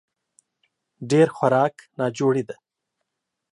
ډېر خوراک ناجوړي ده